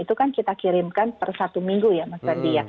itu kan kita kirimkan per satu minggu ya mas ferdi ya